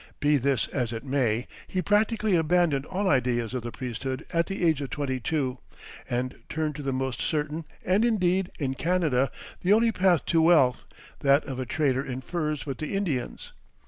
Be this as it may, he practically abandoned all ideas of the priesthood at the age of twenty two, and turned to the most certain, and indeed, in Canada, the only path to wealth, that of a trader in furs with the Indians.